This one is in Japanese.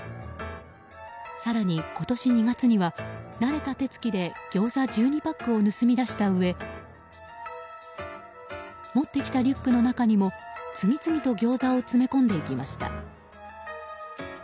更に今年２月には慣れた手つきでギョーザ１２パックを盗み出したうえ持ってきたリュックの中にも次々とギョーザを詰め込んでいきました。